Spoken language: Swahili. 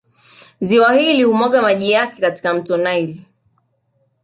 Ziwa hili humwaga maji yake katika Mto Nile